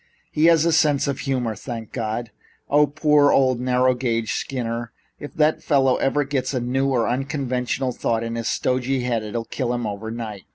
"He has a sense of humor, thank God! Ah, poor old narrow gauge Skinner! If that fellow ever gets a new or unconventional thought in his stodgy head, it'll kill him overnight.